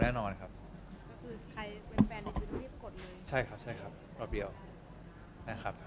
ความสุขจะมีรอบเดียวแน่นอนครับ